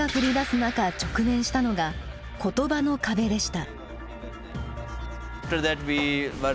中直面したのが言葉の壁でした。